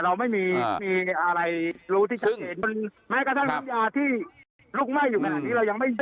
เราไม่มีมีอะไรรู้ที่ชัดเจนซึ่งแม้กระทั่งภาพยาที่ลุกไหม้อยู่ขนาดนี้